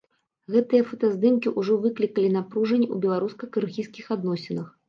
Гэтыя фотаздымкі ўжо выклікалі напружанне ў беларуска-кыргызскіх адносінах.